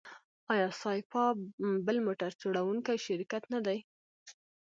آیا سایپا بل موټر جوړوونکی شرکت نه دی؟